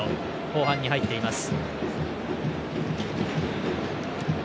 後半に入っています。